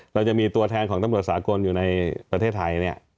เราจะมีตัวแทนของตำรวจสากลอยู่ในประเทศไทยเนี่ย